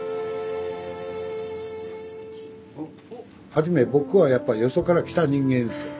初め僕はやっぱりよそから来た人間ですよ。